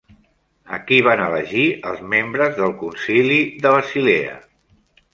A qui van elegir els membres del Concili de Basilea?